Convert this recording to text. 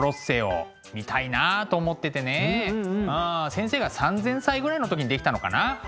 先生が３，０００歳ぐらいの時に出来たのかな。